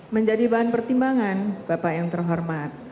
menjadi bahan pertimbangan bapak yang terhormat